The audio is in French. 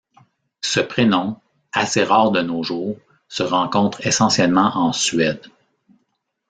Ce prénom, assez rare de nos jours, se rencontre essentiellement en Suède.